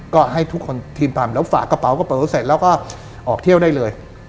ก็ให้ทุกคนทีมทำแล้วฝากกระเป๋ากระเป๋าเสร็จแล้วก็ออกเที่ยวได้เลย